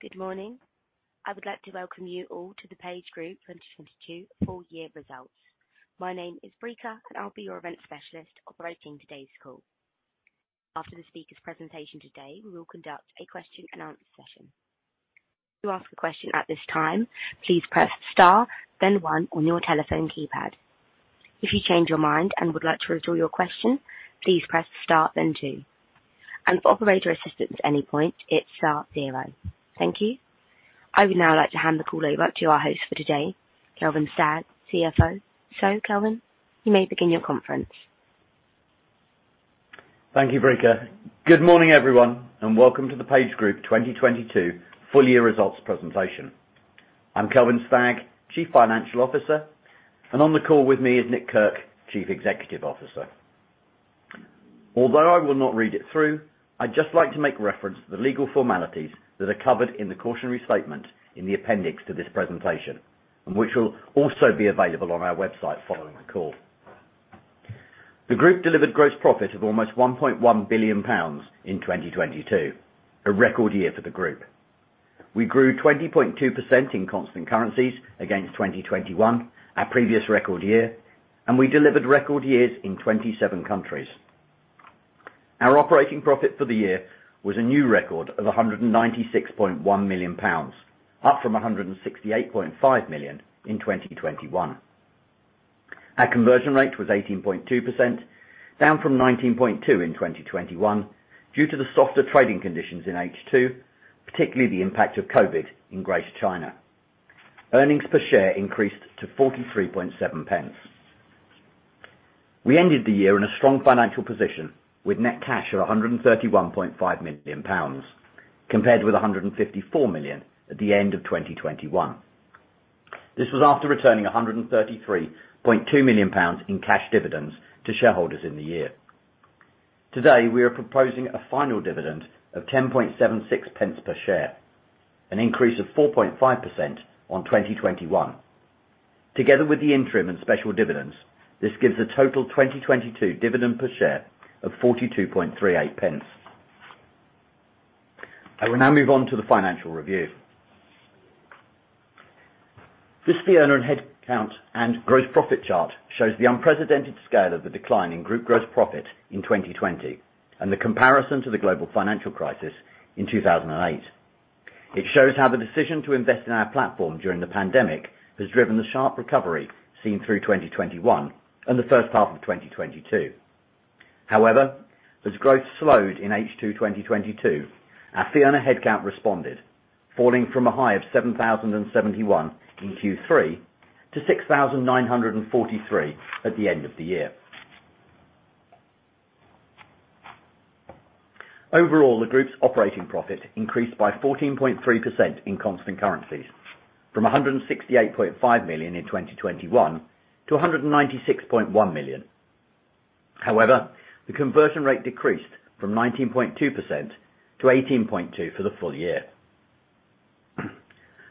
Good morning. I would like to welcome you all to the PageGroup 2022 full year results. My name is Brika, I'll be your event specialist operating today's call. After the speaker's presentation today, we will conduct a question and answer session. To ask a question at this time, please press star, then one on your telephone keypad. If you change your mind and would like to withdraw your question, please press star then two. For operator assistance at any point, it's star zero. Thank you. I would now like to hand the call over to our host for today, Kelvin Stagg, CFO. Kelvin, you may begin your conference. Thank you, Brika. Welcome to the PageGroup 2022 full year results presentation. I'm Kelvin Stagg, Chief Financial Officer. On the call with me is Nick Kirk, Chief Executive Officer. Although I will not read it through, I'd just like to make reference to the legal formalities that are covered in the cautionary statement in the appendix to this presentation. Which will also be available on our website following the call. The group delivered gross profit of almost 1.1 billion pounds in 2022, a record year for the group. We grew 20.2% in constant currencies against 2021, our previous record year. We delivered record years in 27 countries. Our operating profit for the year was a new record of 196.1 million pounds, up from 168.5 million in 2021. Our conversion rate was 18.2%, down from 19.2% in 2021 due to the softer trading conditions in H2, particularly the impact of COVID in Greater China. Earnings per share increased to 0.437. We ended the year in a strong financial position with net cash of 131.5 million pounds, compared with 154 million at the end of 2021. This was after returning 133.2 million pounds in cash dividends to shareholders in the year. Today, we are proposing a final dividend of 0.1076 per share, an increase of 4.5% on 2021. Together with the interim and special dividends, this gives a total 2022 dividend per share of 0.4238. I will now move on to the financial review. This fee earner headcount and gross profit chart shows the unprecedented scale of the decline in group gross profit in 2020, and the comparison to the global financial crisis in 2008. It shows how the decision to invest in our platform during the pandemic has driven the sharp recovery seen through 2021 and the first half of 2022. However, as growth slowed in H2 2022, our fee earner headcount responded, falling from a high of 7,071 in Q3 to 6,943 at the end of the year. Overall, the group's operating profit increased by 14.3% in constant currencies from 168.5 million in 2021 to 196.1 million. However, the conversion rate decreased from 19.2% to 18.2% for the full year.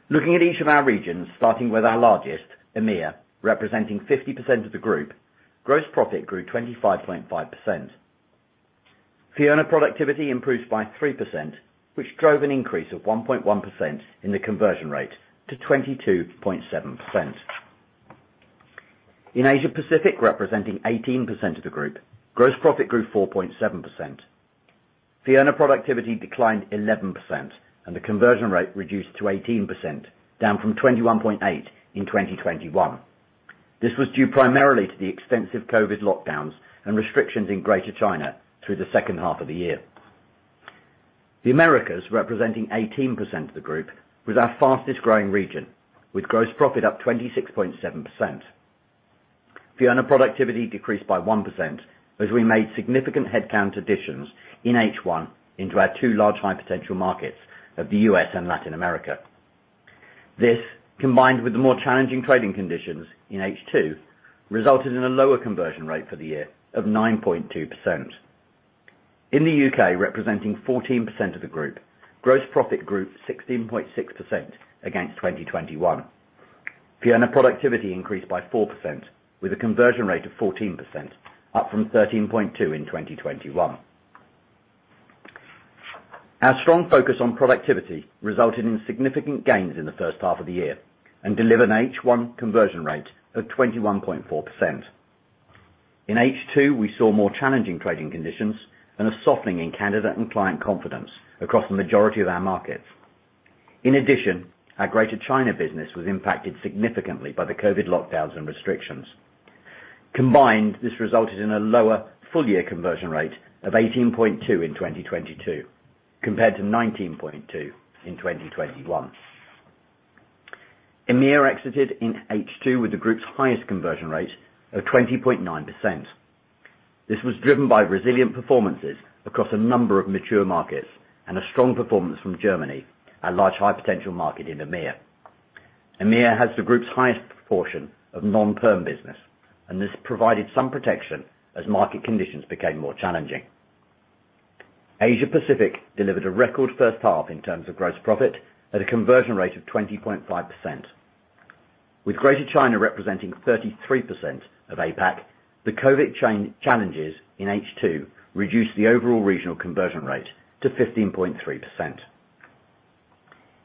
Looking at each of our regions, starting with our largest, EMEA, representing 50% of the group, gross profit grew 25.5%. Fee earner productivity improved by 3%, which drove an increase of 1.1% in the conversion rate to 22.7%. In Asia Pacific, representing 18% of the group, gross profit grew 4.7%. fee earner productivity declined 11%, and the conversion rate reduced to 18%, down from 21.8% in 2021. This was due primarily to the extensive COVID lockdowns and restrictions in Greater China through the second half of the year. The Americas, representing 18% of the group, was our fastest-growing region, with gross profit up 26.7%. fee earner productivity decreased by 1% as we made significant headcount additions in H1 into our two large high potential markets of the U.S. and Latin America. This, combined with the more challenging trading conditions in H2, resulted in a lower conversion rate for the year of 9.2%. In the U.K., representing 14% of the group, gross profit grew 16.6% against 2021. Fee earner productivity increased by 4% with a conversion rate of 14%, up from 13.2% in 2021. Our strong focus on productivity resulted in significant gains in the first half of the year and delivered an H1 conversion rate of 21.4%. In H2, we saw more challenging trading conditions and a softening in candidate and client confidence across the majority of our markets. In addition, our Greater China business was impacted significantly by the COVID lockdowns and restrictions. Combined, this resulted in a lower full year conversion rate of 18.2% in 2022, compared to 19.2% in 2021. EMEA exited in H2 with the group's highest conversion rate of 20.9%. This was driven by resilient performances across a number of mature markets and a strong performance from Germany, our large high potential market in EMEA. EMEA has the group's highest proportion of non-perm business. This provided some protection as market conditions became more challenging. Asia Pacific delivered a record first half in terms of gross profit at a conversion rate of 20.5%. With Greater China representing 33% of APAC, the COVID challenges in H2 reduced the overall regional conversion rate to 15.3%.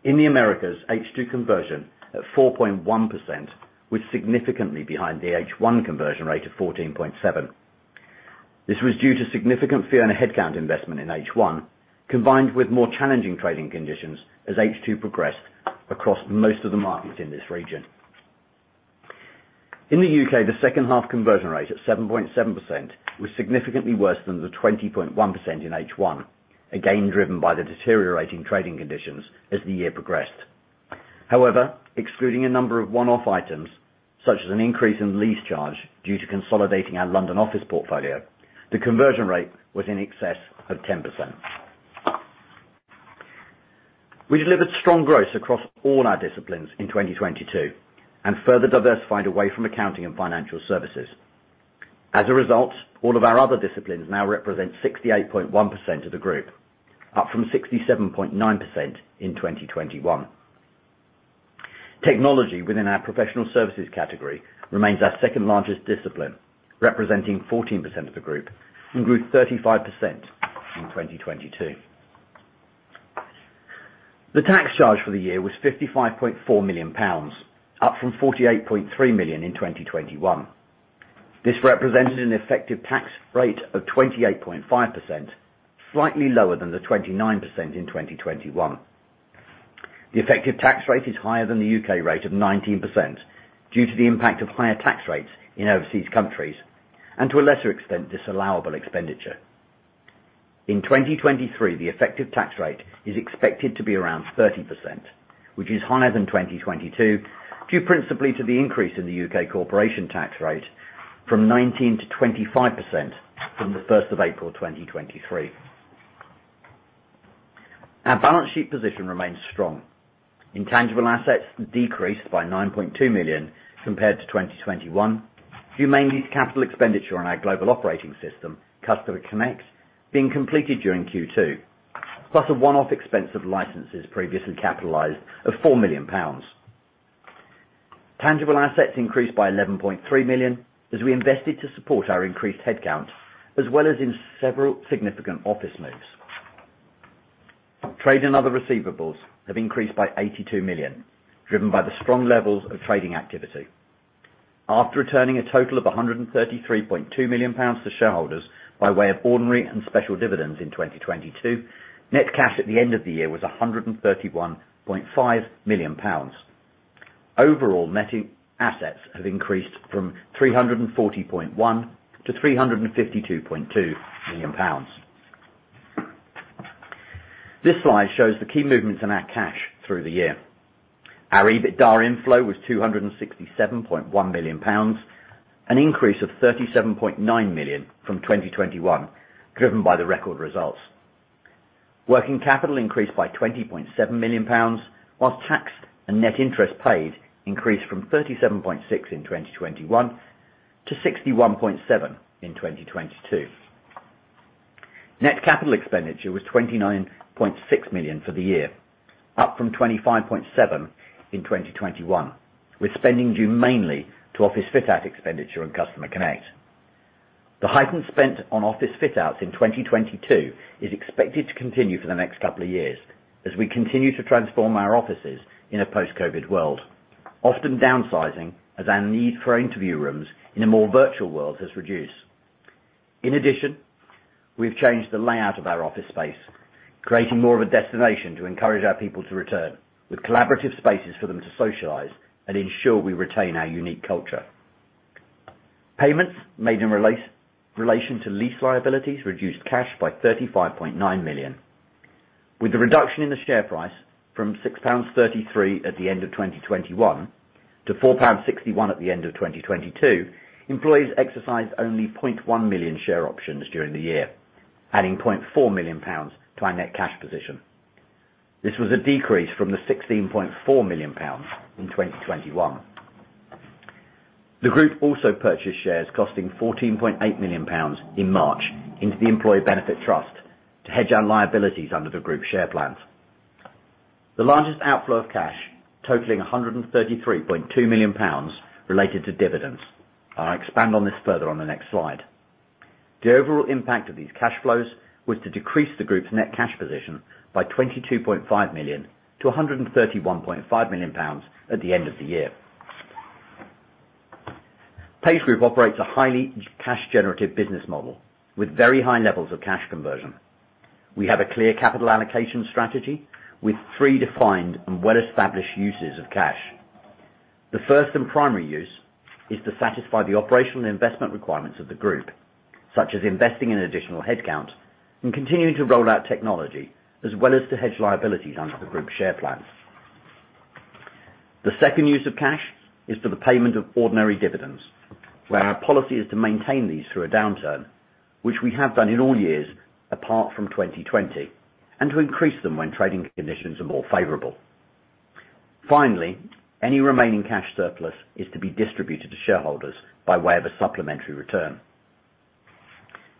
In the Americas, H2 conversion at 4.1% was significantly behind the H1 conversion rate of 14.7%. This was due to significant fee earner headcount investment in H1, combined with more challenging trading conditions as H2 progressed across most of the markets in this region. In the U.K., the second half conversion rate at 7.7% was significantly worse than the 20.1% in H1, again, driven by the deteriorating trading conditions as the year progressed. Excluding a number of one-off items, such as an increase in lease charge due to consolidating our London office portfolio, the conversion rate was in excess of 10%. We delivered strong growth across all our disciplines in 2022 and further diversified away from accounting and financial services. All of our other disciplines now represent 68.1% of the group, up from 67.9% in 2021. Technology within our professional services category remains our second-largest discipline, representing 14% of the group and grew 35% in 2022. The tax charge for the year was 55.4 million pounds, up from 48.3 million in 2021. This represented an effective tax rate of 28.5%, slightly lower than the 29% in 2021. The effective tax rate is higher than the U.K. rate of 19% due to the impact of higher tax rates in overseas countries and, to a lesser extent, disallowable expenditure. In 2023, the effective tax rate is expected to be around 30%, which is higher than 2022, due principally to the increase in the U.K. corporation tax rate from 19% to 25% from April 1st, 2023. Our balance sheet position remains strong. Intangible assets decreased by 9.2 million compared to 2021, due mainly to capital expenditure on our global operating system, Customer Connect, being completed during Q2, plus a one-off expense of licenses previously capitalized of 4 million pounds. Tangible assets increased by 11.3 million as we invested to support our increased headcount as well as in several significant office moves. Trade and other receivables have increased by 82 million, driven by the strong levels of trading activity. After returning a total of 133.2 million pounds to shareholders by way of ordinary and special dividends in 2022, net cash at the end of the year was 131.5 million pounds. Net assets have increased from 340.1 million to 352.2 million pounds. This slide shows the key movements in our cash through the year. Our EBITDA inflow was 267.1 million pounds, an increase of 37.9 million from 2021, driven by the record results. Working capital increased by 20.7 million pounds, while tax and net interest paid increased from 37.6 million in 2021 to 61.7 million in 2022. Net capital expenditure was 29.6 million for the year, up from 25.7 million in 2021, with spending due mainly to office fit-out expenditure on Customer Connect. The heightened spent on office fit-outs in 2022 is expected to continue for the next couple of years as we continue to transform our offices in a post-COVID world, often downsizing as our need for interview rooms in a more virtual world has reduced. In addition, we've changed the layout of our office space, creating more of a destination to encourage our people to return with collaborative spaces for them to socialize and ensure we retain our unique culture. Payments made in relation to lease liabilities reduced cash by 35.9 million. With the reduction in the share price from 6.33 pounds at the end of 2021 to 4.61 pound at the end of 2022, employees exercised only 0.1 million share options during the year, adding 0.4 million pounds to our net cash position. This was a decrease from the 16.4 million pounds in 2021. The group also purchased shares costing GBP 14.8 million in March into the Employee Benefit Trust to hedge our liabilities under the group share plans. The largest outflow of cash totaling 133.2 million pounds related to dividends. I'll expand on this further on the next slide. The overall impact of these cash flows was to decrease the group's net cash position by 22.5 million to 131.5 million pounds at the end of the year. PageGroup operates a highly cash-generative business model with very high levels of cash conversion. We have a clear capital allocation strategy with three defined and well-established uses of cash. The first and primary use is to satisfy the operational investment requirements of the group, such as investing in additional headcount and continuing to roll out technology as well as to hedge liabilities under the group share plans. The second use of cash is for the payment of ordinary dividends, where our policy is to maintain these through a downturn, which we have done in all years apart from 2020, and to increase them when trading conditions are more favorable. Finally, any remaining cash surplus is to be distributed to shareholders by way of a supplementary return.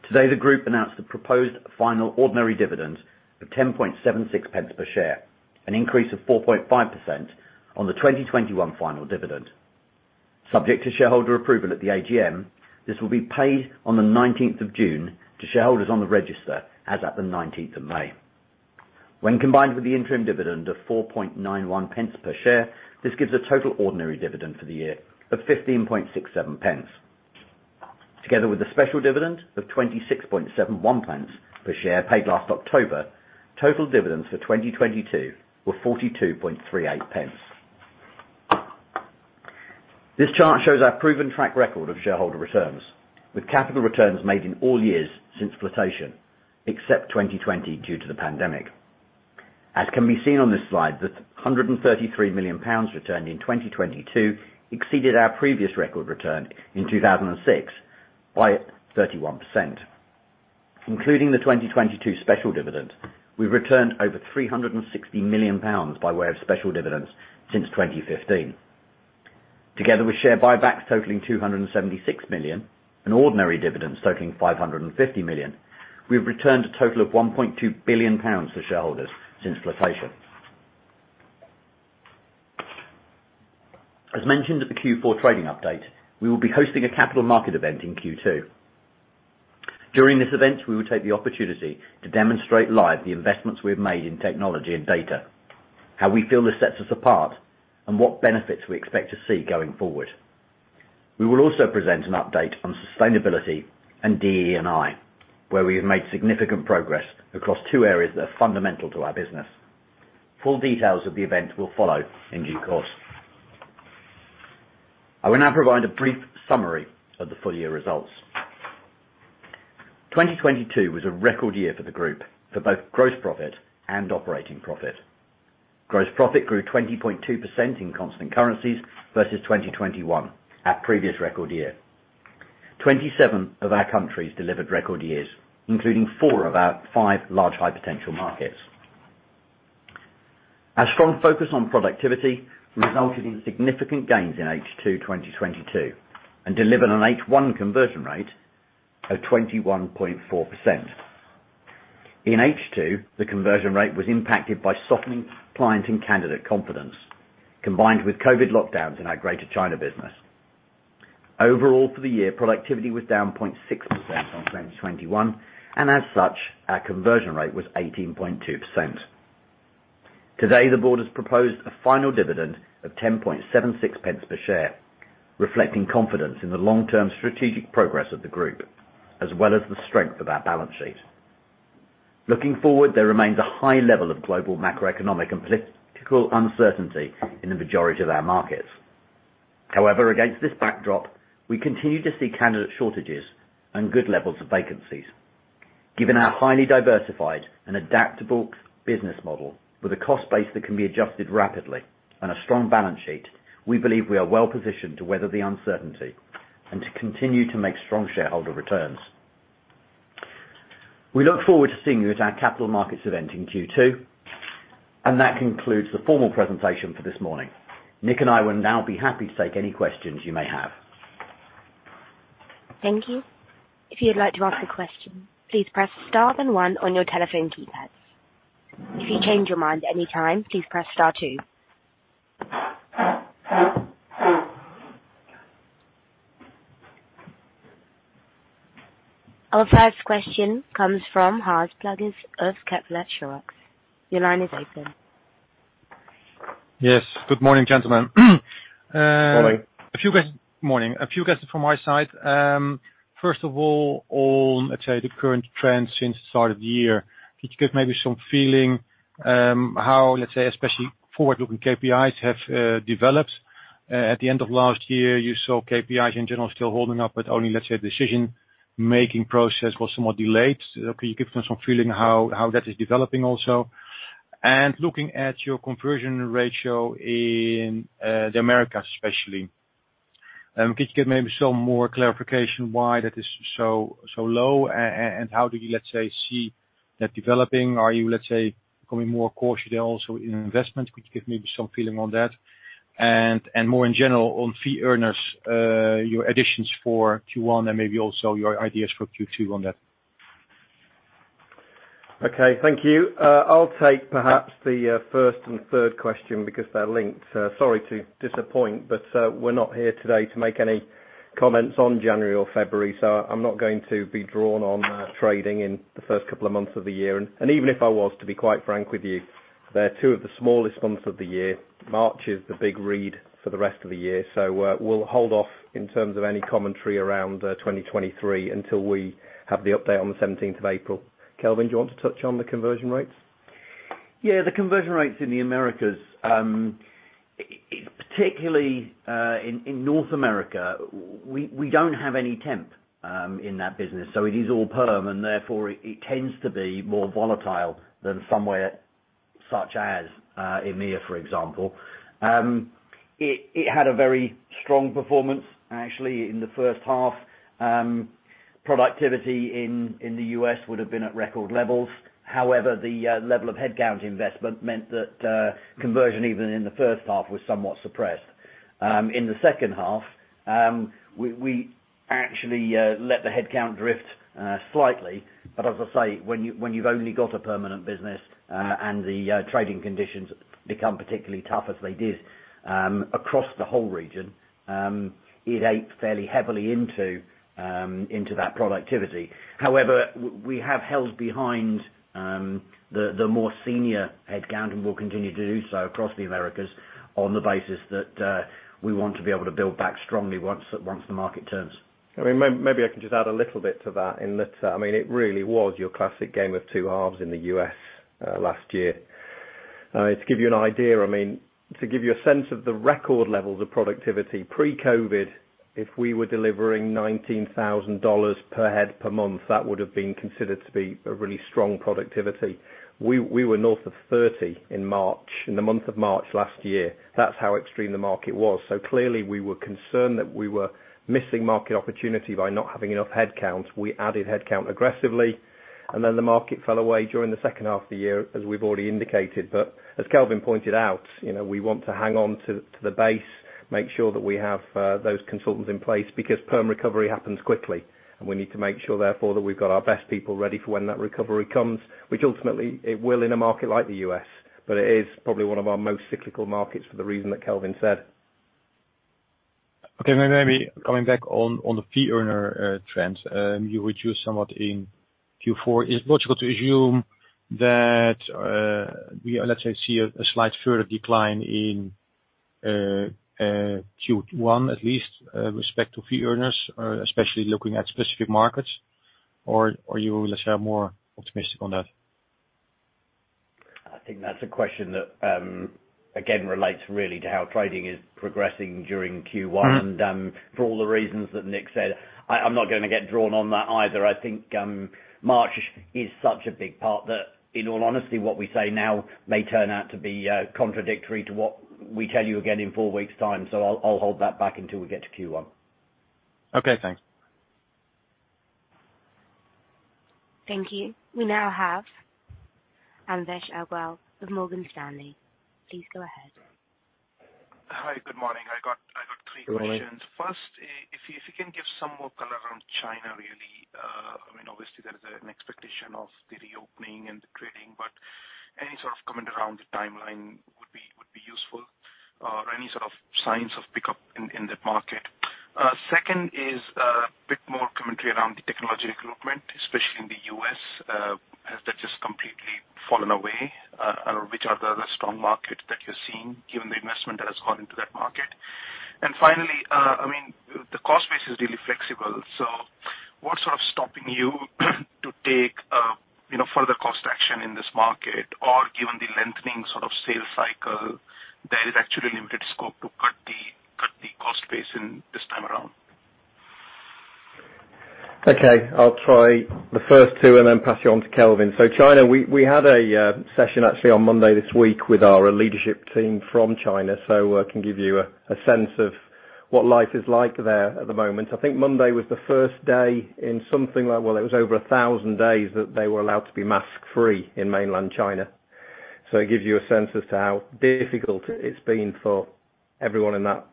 Today, the group announced the proposed final ordinary dividend of 0.1076 per share, an increase of 4.5% on the 2021 final dividend. Subject to shareholder approval at the AGM, this will be paid on the June 19th to shareholders on the register as at May 19th. When combined with the interim dividend of 0.491 per share, this gives a total ordinary dividend for the year of 0.1567. Together with the special dividend of 0.2671 per share paid last October, total dividends for 2022 were 0.4238. This chart shows our proven track record of shareholder returns, with capital returns made in all years since flotation, except 2020 due to the pandemic. As can be seen on this slide, the 133 million pounds returned in 2022 exceeded our previous record return in 2006 by 31%. Including the 2022 special dividend, we've returned over 360 million pounds by way of special dividends since 2015. Together with share buybacks totaling 276 million and ordinary dividends totaling 550 million, we have returned a total of 1.2 billion pounds to shareholders since flotation. As mentioned at the Q4 trading update, we will be hosting a Capital Markets Event in Q2. During this event, we will take the opportunity to demonstrate live the investments we have made in technology and data, how we feel this sets us apart, and what benefits we expect to see going forward. We will also present an update on sustainability and DE&I, where we have made significant progress across two areas that are fundamental to our business. Full details of the event will follow in due course. I will now provide a brief summary of the full year results. 2022 was a record year for the group for both gross profit and operating profit. Gross profit grew 20.2% in constant currencies versus 2021, our previous record year. 27 of our countries delivered record years, including four of our five large high-potential markets. Our strong focus on productivity resulted in significant gains in H2 2022 and delivered an H1 conversion rate of 21.4%. In H2, the conversion rate was impacted by softening client and candidate confidence, combined with COVID lockdowns in our Greater China business. Overall, for the year, productivity was down 0.6% from 2021, and as such, our conversion rate was 18.2%. Today, the board has proposed a final dividend of 0.1076 per share, reflecting confidence in the long-term strategic progress of the group, as well as the strength of our balance sheet. Looking forward, there remains a high level of global macroeconomic and political uncertainty in the majority of our markets. However, against this backdrop, we continue to see candidate shortages and good levels of vacancies. Given our highly diversified and adaptable business model with a cost base that can be adjusted rapidly and a strong balance sheet, we believe we are well-positioned to weather the uncertainty and to continue to make strong shareholder returns. We look forward to seeing you at our Capital Markets Event in Q2. That concludes the formal presentation for this morning. Nick and I will now be happy to take any questions you may have. Thank you. If you'd like to ask a question, please press star one on your telephone keypads. If you change your mind any time, please press star two. Our first question comes from Hans Pluijgers of Kepler Cheuvreux. Your line is open. Yes. Good morning, gentlemen. Morning. Morning. A few questions from my side. First of all, on, let's say, the current trends since the start of the year. Could you give maybe some feeling how, let's say, especially forward-looking KPIs have developed at the end of last year, you saw KPIs in general still holding up, but only, let's say, decision-making process was somewhat delayed. Could you give me some feeling how that is developing also? Looking at your conversion ratio in the Americas, especially, could you give maybe some more clarification why that is so low? How do you, let's say, see that developing? Are you, let's say, becoming more cautious also in investment? Could you give maybe some feeling on that? More in general, on fee earners, your additions for Q1 and maybe also your ideas for Q2 on that. Okay. Thank you. I'll take perhaps the first and third question because they're linked. Sorry to disappoint, but we're not here today to make any comments on January or February, so I'm not going to be drawn on trading in the first couple of months of the year. Even if I was, to be quite frank with you, they're two of the smallest months of the year. March is the big read for the rest of the year. We'll hold off in terms of any commentary around 2023 until we have the update on April 17th. Kelvin, do you want to touch on the conversion rates? The conversion rates in the Americas, particularly in North America, we don't have any non-perm in that business, so it is all perm, and therefore it tends to be more volatile than somewhere such as EMEA, for example. It had a very strong performance actually in the first half. Productivity in the U.S. would have been at record levels. However, the level of headcount investment meant that conversion, even in the first half, was somewhat suppressed. In the second half, we actually let the headcount drift slightly. As I say, when you've only got a permanent business, and the trading conditions become particularly tough as they did across the whole region, it ate fairly heavily into that productivity. We have held behind the more senior headcount, and we'll continue to do so across the Americas on the basis that we want to be able to build back strongly once the market turns. I mean, maybe I can just add a little bit to that in that, I mean, it really was your classic game of two halves in the U.S. last year. To give you an idea, I mean, to give you a sense of the record levels of productivity pre-COVID, if we were delivering $19,000 per head per month, that would have been considered to be a really strong productivity. We were north of 30 in March, in the month of March last year. That's how extreme the market was. Clearly, we were concerned that we were missing market opportunity by not having enough headcount. We added headcount aggressively, the market fell away during the second half of the year, as we've already indicated. As Kelvin pointed out, you know, we want to hang on to the base, make sure that we have those consultants in place because perm recovery happens quickly, and we need to make sure therefore, that we've got our best people ready for when that recovery comes, which ultimately it will in a market like the U.S. It is probably one of our most cyclical markets for the reason that Kelvin said. Okay. Maybe coming back on the fee earner trends. You reduced somewhat in Q4. Is it logical to assume that we, let's say, see a slight further decline in Q1 at least with respect to fee earners, especially looking at specific markets? Or are you, let's say, more optimistic on that? I think that's a question that, again, relates really to how trading is progressing during Q1. Mm-hmm. For all the reasons that Nick said, I'm not gonna get drawn on that either. I think, March is such a big part that in all honesty, what we say now may turn out to be contradictory to what we tell you again in four weeks' time. I'll hold that back until we get to Q1. Okay, thanks. Thank you. We now have Anvesh Agrawal with Morgan Stanley. Please go ahead. Hi. Good morning. I got three questions. Good morning. First, if you can give some more color on China really. I mean, obviously there is an expectation of the reopening and the trading, but any sort of comment around the timeline would be useful, or any sort of signs of pickup in that market. Second is, a bit more commentary around the technology recruitment, especially in the U.S. Has that just completely fallen away? Or which are the other strong markets that you're seeing given the investment that has gone into that market? Finally, I mean, the cost base is really flexible. What's sort of stopping you to take, you know, further cost action in this market? Given the lengthening sort of sales cycle, there is actually limited scope to cut the cost base in this time around. I'll try the first two and then pass you on to Kelvin. China, we had a session actually on Monday this week with our leadership team from China. I can give you a sense of what life is like there at the moment. I think Monday was the first day in something like, well, it was over 1,000 days that they were allowed to be mask-free in mainland China. It gives you a sense as to how difficult it's been for everyone in that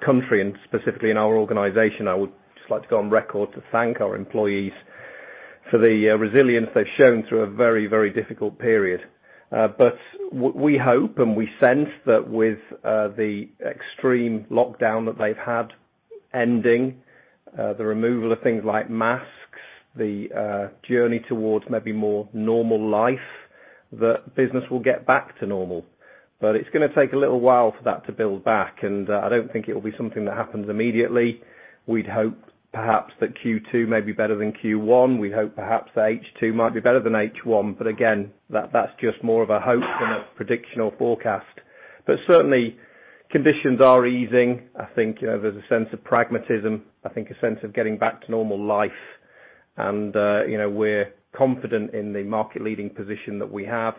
country, and specifically in our organization. I would just like to go on record to thank our employees for the resilience they've shown through a very, very difficult period. we hope and we sense that with the extreme lockdown that they've had ending, the removal of things like masks, the journey towards maybe more normal life, that business will get back to normal. It's gonna take a little while for that to build back, and I don't think it will be something that happens immediately. We'd hope perhaps that Q2 may be better than Q1. We hope perhaps that H2 might be better than H1. Again, that's just more of a hope than a prediction or forecast. Certainly conditions are easing. I think, you know, there's a sense of pragmatism. I think a sense of getting back to normal life. And you know, we're confident in the market leading position that we have.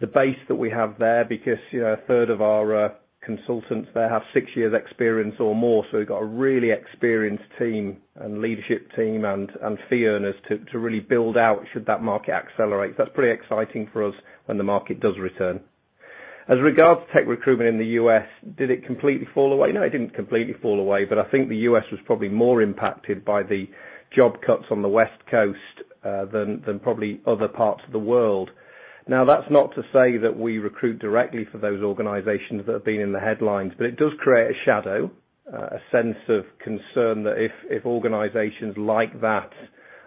The base that we have there, because, you know, a third of our consultants there have six years experience or more. We've got a really experienced team and leadership team and fee earners to really build out should that market accelerate. That's pretty exciting for us when the market does return. As regards tech recruitment in the U.S., did it completely fall away? No, it didn't completely fall away, but I think the U.S. was probably more impacted by the job cuts on the West Coast, than probably other parts of the world. That's not to say that we recruit directly for those organizations that have been in the headlines, but it does create a shadow, a sense of concern that if organizations like that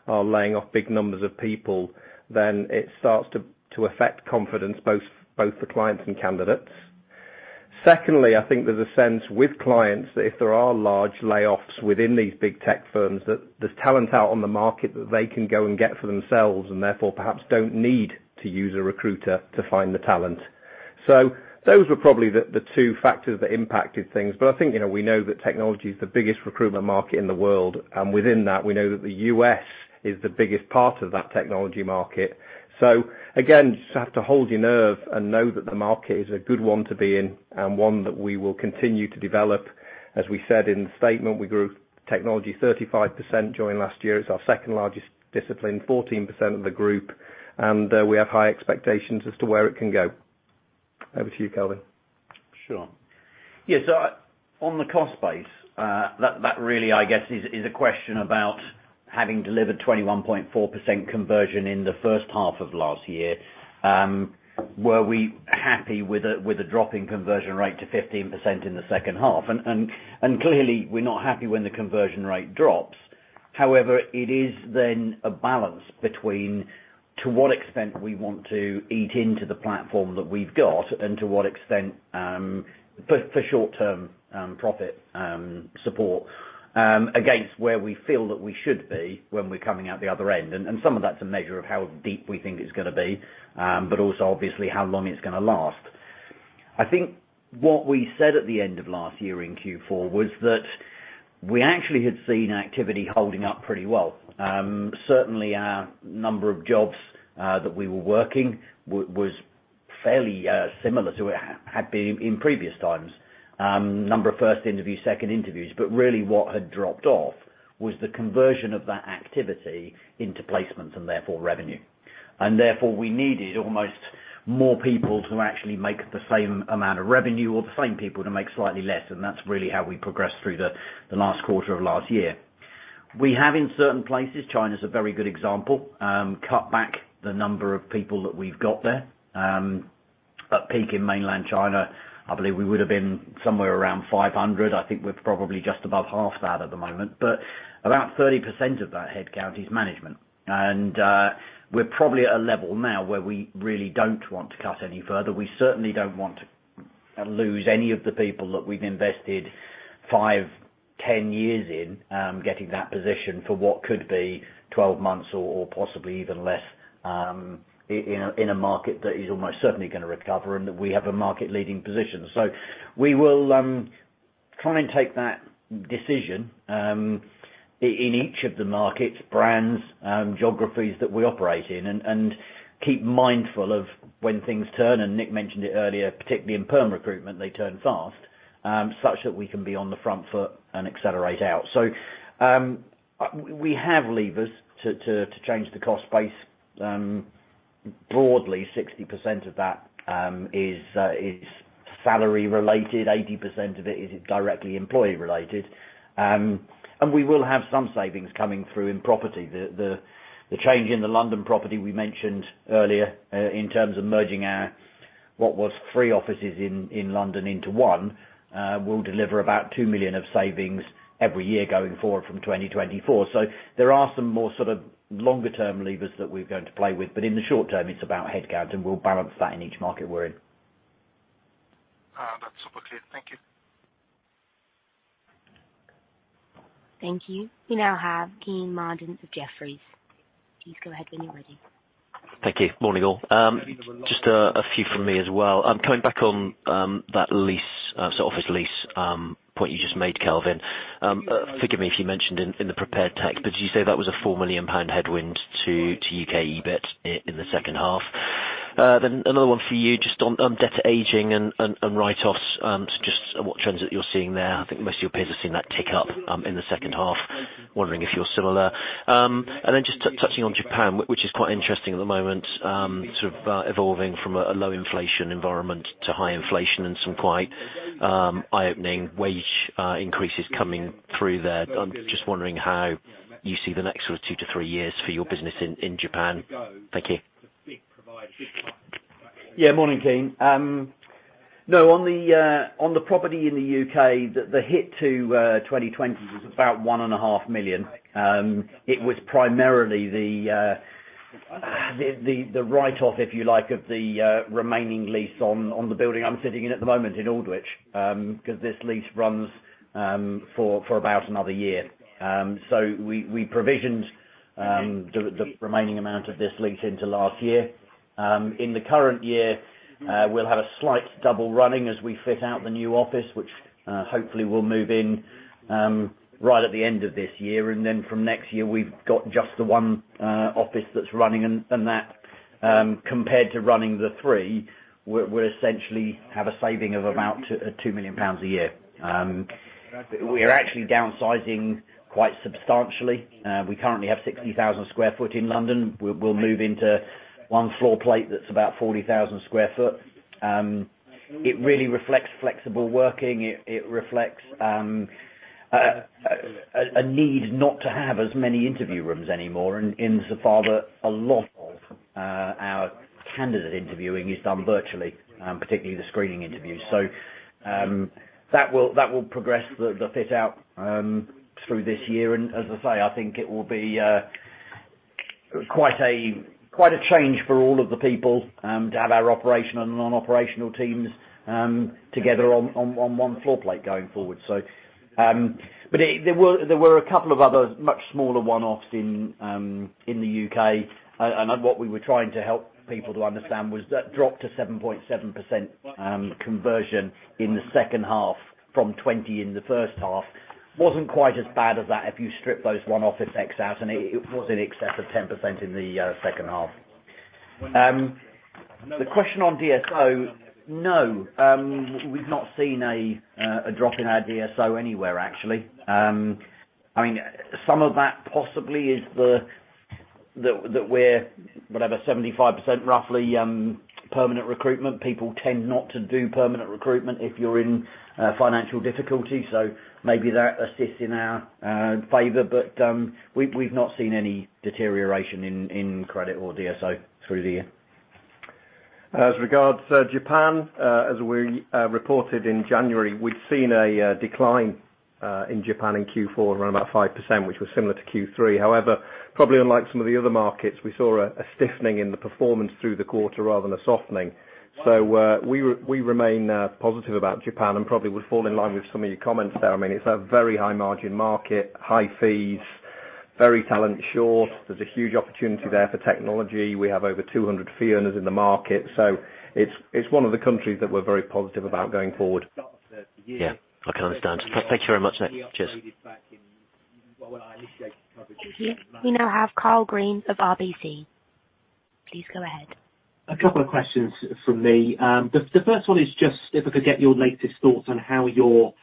are laying off big numbers of people, then it starts to affect confidence, both the clients and candidates. Secondly, I think there's a sense with clients that if there are large layoffs within these big tech firms, that there's talent out on the market that they can go and get for themselves and therefore perhaps don't need to use a recruiter to find the talent. Those were probably the two factors that impacted things. I think, you know, we know that technology is the biggest recruitment market in the world. Within that, we know that the U.S. is the biggest part of that technology market. Again, you just have to hold your nerve and know that the market is a good one to be in and one that we will continue to develop. As we said in the statement, we grew technology 35% during last year. It's our second largest discipline, 14% of the group. We have high expectations as to where it can go. Over to you, Kelvin. Sure. Yeah, on the cost base, that really, I guess is a question about having delivered 21.4% conversion in the first half of last year, were we happy with a drop in conversion rate to 15% in the second half? Clearly we're not happy when the conversion rate drops. However, it is then a balance between to what extent we want to eat into the platform that we've got and to what extent, for short-term profit support, against where we feel that we should be when we're coming out the other end. Some of that's a measure of how deep we think it's gonna be, but also obviously how long it's gonna last. I think what we said at the end of last year in Q4 was that we actually had seen activity holding up pretty well. Certainly our number of jobs that we were working was fairly similar to what had been in previous times. Number of first interviews, second interviews. Really what had dropped off was the conversion of that activity into placements and therefore revenue. Therefore, we needed almost more people to actually make the same amount of revenue or the same people to make slightly less, and that's really how we progressed through the last quarter of last year. We have in certain places, China's a very good example, cut back the number of people that we've got there. At peak in mainland China, I believe we would have been somewhere around 500. I think we're probably just above half that at the moment. About 30% of that headcount is management. We're probably at a level now where we really don't want to cut any further. We certainly don't want to lose any of the people that we've invested five, 10 years in getting that position for what could be 12 months or possibly even less in a market that is almost certainly gonna recover, and we have a market-leading position. We will try and take that decision in each of the markets, brands, geographies that we operate in, and keep mindful of when things turn, and Nick mentioned it earlier, particularly in perm recruitment, they turn fast, such that we can be on the front foot and accelerate out. We have levers to change the cost base. Broadly, 60% of that is salary related, 80% of it is directly employee related. We will have some savings coming through in property. The change in the London property we mentioned earlier, in terms of merging our, what was three offices in London into one, will deliver about 2 million of savings every year going forward from 2024. There are some more sort of longer term levers that we're going to play with. In the short term, it's about headcount, and we'll balance that in each market we're in. That's super clear. Thank you. Thank you. We now have Kean Marden with Jefferies. Please go ahead when you're ready. Thank you. Morning, all. Just a few from me as well. Coming back on that lease, so office lease point you just made, Kelvin. Forgive me if you mentioned in the prepared text, but did you say that was a 4 million pound headwind to U.K. EBIT in the second half? Another one for you just on debt aging and write-offs, just what trends that you're seeing there. I think most of your peers have seen that tick up in the second half. Wondering if you're similar. Just touching on Japan, which is quite interesting at the moment, sort of evolving from a low inflation environment to high inflation and some quite eye-opening wage increases coming through there. I'm just wondering how you see the next sort of two to three years for your business in Japan. Thank you. Morning, Kean. No, on the property in the U.K., the hit to 2020 was about 1.5 million. It was primarily the write-off, if you like, of the remaining lease on the building I'm sitting in at the moment in Aldwych, 'cause this lease runs for about another year. We provisioned the remaining amount of this lease into last year. In the current year, we'll have a slight double running as we fit out the new office, which hopefully will move in right at the end of this year. From next year, we've got just the one office that's running and that compared to running the three, we're essentially have a saving of about 2 million pounds a year. We are actually downsizing quite substantially. We currently have 60,000 sq ft in London. We'll move into one floor plate that's about 40,000 sq ft. It really reflects flexible working. It reflects a need not to have as many interview rooms anymore insofar that a lot of our candidate interviewing is done virtually, particularly the screening interviews. That will progress the fit out through this year. As I say, I think it will be quite a, quite a change for all of the people to have our operational and non-operational teams together on one floor plate going forward. There were a couple of other much smaller one-offs in the U.K. What we were trying to help people to understand was that drop to 7.7% conversion in the second half from 20 in the first half wasn't quite as bad as that if you strip those one-off effects out, and it was in excess of 10% in the second half. The question on DSO, no, we've not seen a drop in our DSO anywhere, actually. I mean, some of that possibly is that we're whatever, 75% roughly, permanent recruitment. People tend not to do permanent recruitment if you're in financial difficulty. Maybe that assists in our favor, we've not seen any deterioration in credit or DSO through the year. As regards to Japan, as we reported in January, we've seen a decline in Japan in Q4 around about 5%, which was similar to Q3. Probably unlike some of the other markets, we saw a stiffening in the performance through the quarter rather than a softening. We remain positive about Japan and probably would fall in line with some of your comments there. I mean, it's a very high margin market, high fees, very talent short. There's a huge opportunity there for technology. We have over 200 fee earners in the market. It's one of the countries that we're very positive about going forward. Yeah. I can understand. Thank you very much. Nick. Cheers. We now have Karl Green of RBC. Please go ahead. A couple of questions from me. The first one is just if I could get your latest thoughts on how you're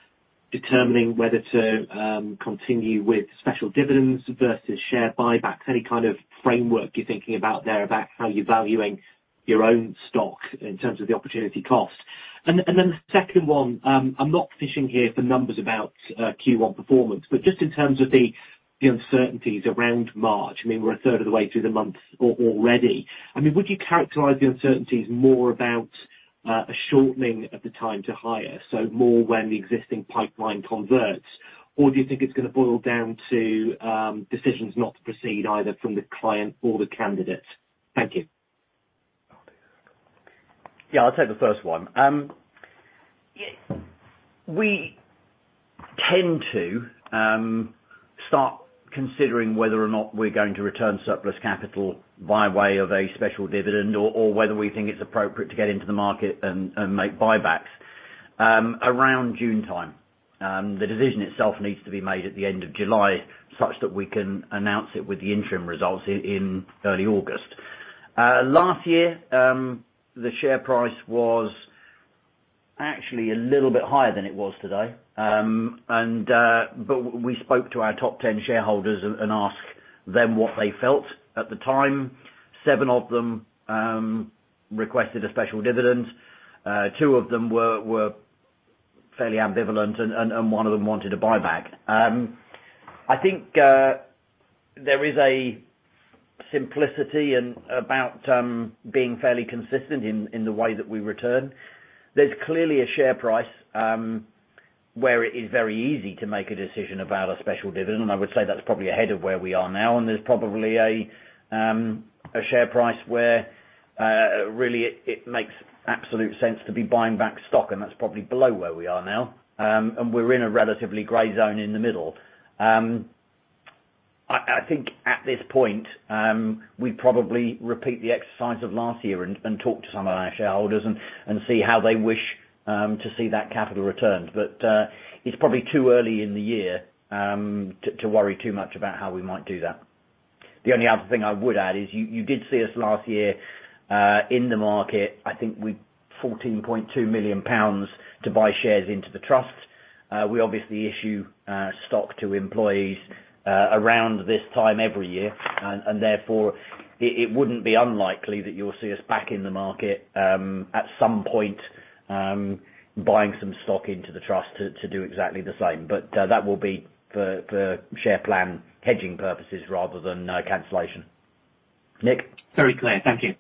determining whether to continue with special dividends versus share buybacks. Any kind of framework you're thinking about there about how you're valuing your own stock in terms of the opportunity cost. Then the second one, I'm not fishing here for numbers about Q1 performance, but just in terms of the uncertainties around March, I mean, we're a third of the way through the month already. I mean, would you characterize the uncertainties more about a shortening of the time to hire, so more when the existing pipeline converts? Or do you think it's gonna boil down to decisions not to proceed either from the client or the candidate? Thank you. I'll take the first one. We tend to start considering whether or not we're going to return surplus capital by way of a special dividend or whether we think it's appropriate to get into the market and make buybacks around June time. The decision itself needs to be made at the end of July such that we can announce it with the interim results in early August. Last year, the share price was actually a little bit higher than it was today. We spoke to our top 10 shareholders and asked them what they felt at the time. Seven of them requested a special dividend. Two of them were fairly ambivalent and one of them wanted a buyback. I think there is a simplicity about being fairly consistent in the way that we return. There's clearly a share price where it is very easy to make a decision about a special dividend. I would say that's probably ahead of where we are now, and there's probably a share price where really, it makes absolute sense to be buying back stock, and that's probably below where we are now. We're in a relatively gray zone in the middle. I think at this point, we probably repeat the exercise of last year and talk to some of our shareholders and see how they wish to see that capital returned. It's probably too early in the year to worry too much about how we might do that. The only other thing I would add is you did see us last year in the market. I think we 14.2 million pounds to buy shares into the trust. We obviously issue stock to employees around this time every year. Therefore, it wouldn't be unlikely that you'll see us back in the market at some point, buying some stock into the trust to do exactly the same. That will be for share plan hedging purposes rather than cancellation. Nick? Very clear. Thank you.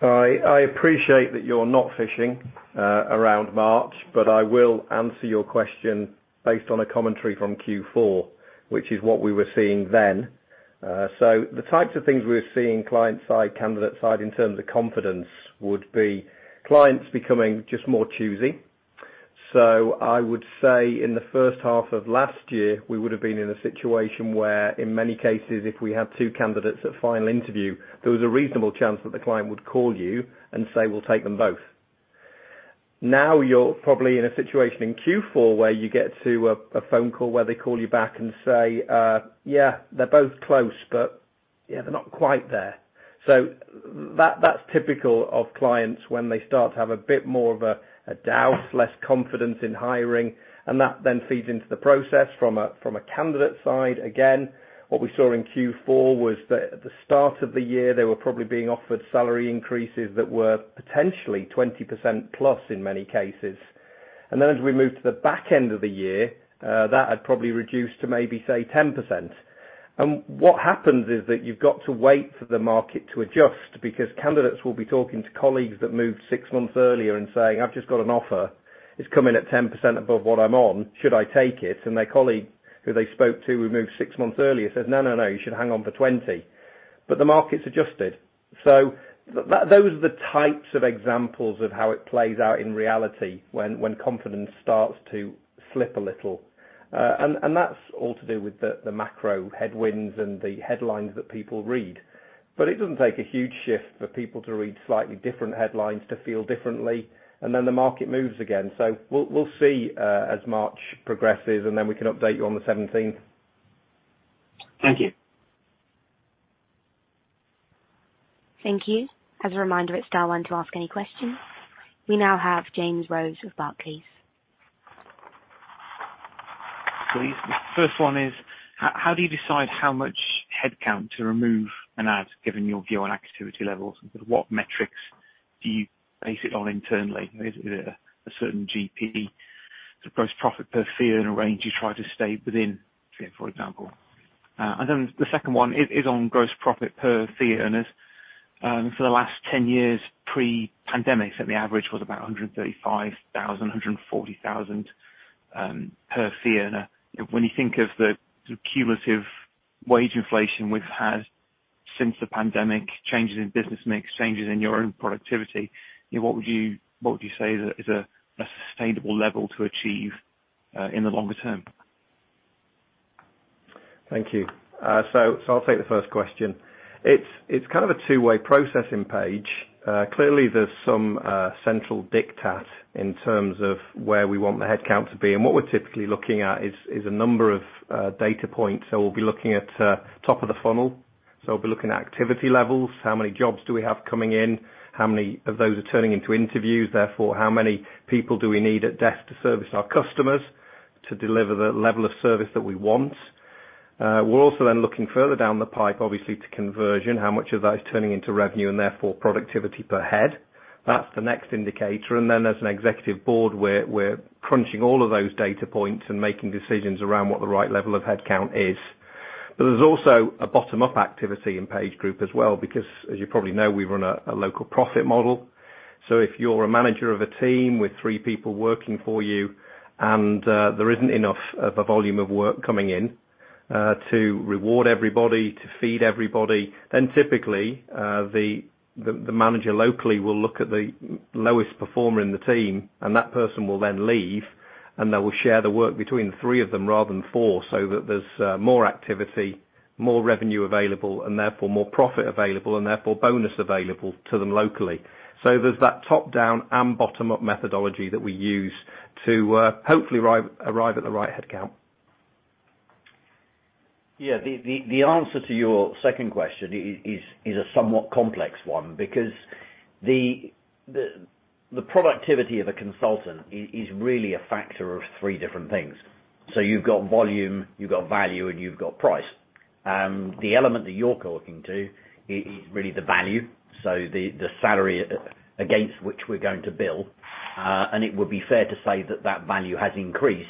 I appreciate that you're not fishing, around March, but I will answer your question based on a commentary from Q4, which is what we were seeing then. The types of things we were seeing client side, candidate side in terms of confidence would be clients becoming just more choosy. I would say in the first half of last year, we would have been in a situation where in many cases, if we had two candidates at final interview, there was a reasonable chance that the client would call you and say, "We'll take them both." You're probably in a situation in Q4 where you get to a phone call where they call you back and say, "Yeah, they're both close, but yeah, they're not quite there." That, that's typical of clients when they start to have a bit more of a doubt, less confidence in hiring, and that then feeds into the process from a candidate side. What we saw in Q4 was that at the start of the year, they were probably being offered salary increases that were potentially 20% plus in many cases. As we move to the back end of the year, that had probably reduced to maybe say 10%. What happens is that you've got to wait for the market to adjust because candidates will be talking to colleagues that moved six months earlier and saying, "I've just got an offer. It's coming at 10% above what I'm on. Should I take it?" Their colleague who they spoke to who moved six months earlier says, "No, no. You should hang on for 20." The market's adjusted. Those are the types of examples of how it plays out in reality when confidence starts to slip a little. That's all to do with the macro headwinds and the headlines that people read. It doesn't take a huge shift for people to read slightly different headlines to feel differently, and then the market moves again. We'll see as March progresses, and then we can update you on the seventeenth. Thank you. Thank you. As a reminder, it's star one to ask any questions. We now have James Rose of Barclays. Please. The first one is, how do you decide how much head count to remove an add, given your view on activity levels? What metrics do you base it on internally? Is it a certain GP, so gross profit per fee earner, and a range you try to stay within, for example? The second one is on gross profit per fee earners. For the last 10 years pre-pandemic, so the average was about 135,000-140,000 per fee earner. When you think of the cumulative wage inflation we've had since the pandemic, changes in business mix, changes in your own productivity, you know, what would you say is a sustainable level to achieve in the longer term? Thank you. So I'll take the first question. It's kind of a two-way process in Page. Clearly there's some central diktat in terms of where we want the headcount to be. What we're typically looking at is a number of data points. We'll be looking at top of the funnel. We'll be looking at activity levels. How many jobs do we have coming in? How many of those are turning into interviews? Therefore, how many people do we need at desk to service our customers to deliver the level of service that we want? We're also then looking further down the pipe, obviously, to conversion. How much of that is turning into revenue and therefore productivity per head? That's the next indicator. Then as an executive board, we're crunching all of those data points and making decisions around what the right level of head count is. There's also a bottom-up activity in PageGroup as well, because as you probably know, we run a local profit model. If you're a manager of a team with three people working for you, and there isn't enough of a volume of work coming in to reward everybody, to feed everybody, then typically, the manager locally will look at the lowest performer in the team, and that person will then leave, and they will share the work between three of them rather than four, so that there's more activity, more revenue available, and therefore more profit available, and therefore bonus available to them locally. There's that top-down and bottom-up methodology that we use to hopefully arrive at the right head count. The answer to your second question is a somewhat complex one, because the productivity of a consultant is really a factor of three different things. You've got volume, you've got value, and you've got price. The element that you're talking to is really the value, so the salary against which we're going to bill. It would be fair to say that that value has increased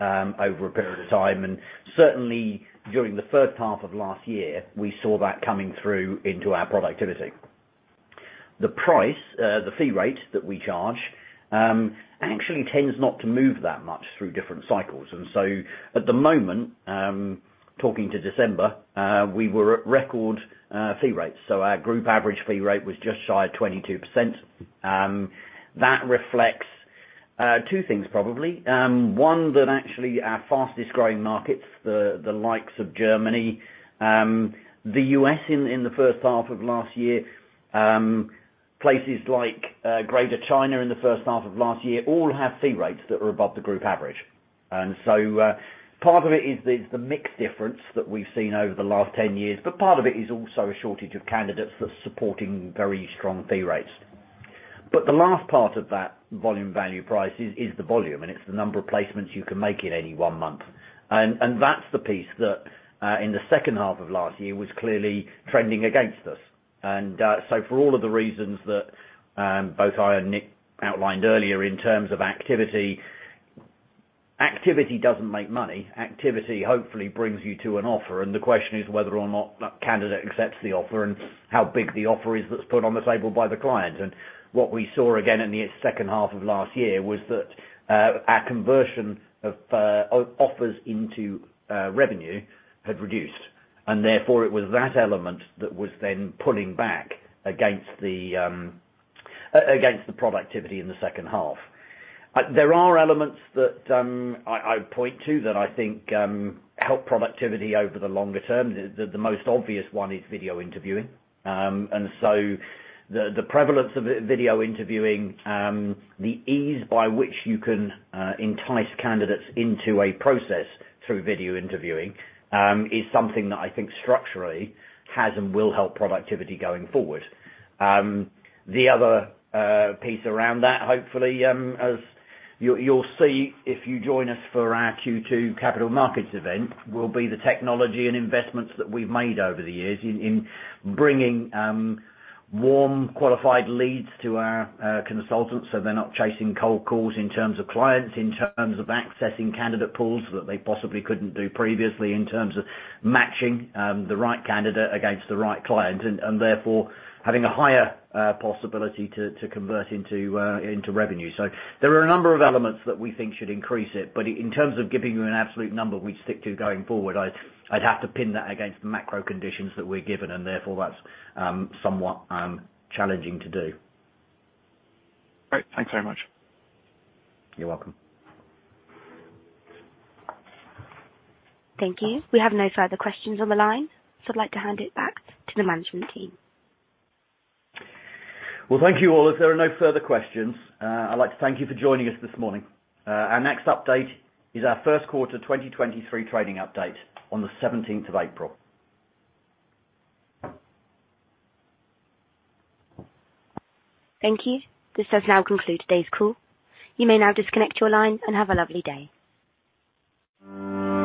over a period of time. Certainly during the first half of last year, we saw that coming through into our productivity. The price, the fee rate that we charge, actually tends not to move that much through different cycles. At the moment, talking to December, we were at record fee rates. Our group average fee rate was just shy of 22%. That reflects two things, probably. One, that actually our fastest-growing markets, the likes of Germany, the U.S. in the first half of last year, places like Greater China in the first half of last year, all have fee rates that were above the group average. Part of it is the mix difference that we've seen over the last 10 years, but part of it is also a shortage of candidates that's supporting very strong fee rates. The last part of that volume value price is the volume, and it's the number of placements you can make in any one month. That's the piece that in the second half of last year was clearly trending against us. For all of the reasons that both I and Nick outlined earlier in terms of activity doesn't make money. Activity hopefully brings you to an offer. The question is whether or not that candidate accepts the offer and how big the offer is that's put on the table by the client. What we saw, again, in the second half of last year, was that our conversion of offers into revenue had reduced. It was that element that was then pulling back against the against the productivity in the second half. There are elements that I would point to that I think help productivity over the longer term. The most obvious one is video interviewing. The prevalence of video interviewing, the ease by which you can entice candidates into a process through video interviewing, is something that I think structurally has and will help productivity going forward. The other piece around that, hopefully, as you'll see if you join us for our Q2 Capital Markets Event, will be the technology and investments that we've made over the years in bringing warm, qualified leads to our consultants, so they're not chasing cold calls in terms of clients, in terms of accessing candidate pools that they possibly couldn't do previously, in terms of matching the right candidate against the right client, and therefore having a higher possibility to convert into revenue. There are a number of elements that we think should increase it, but in terms of giving you an absolute number we'd stick to going forward, I'd have to pin that against the macro conditions that we're given, and therefore that's, somewhat, challenging to do. Great. Thanks very much. You're welcome. Thank you. We have no further questions on the line, so I'd like to hand it back to the management team. Well, thank you, all. If there are no further questions, I'd like to thank you for joining us this morning. Our next update is our first quarter 2023 trading update on April 17th. Thank you. This does now conclude today's call. You may now disconnect your line and have a lovely day.